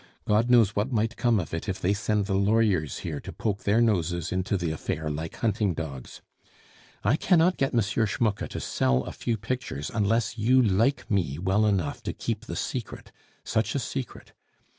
God knows what might come of it if they send the lawyers here to poke their noses into the affair like hunting dogs. I cannot get M. Schmucke to sell a few pictures unless you like me well enough to keep the secret such a secret!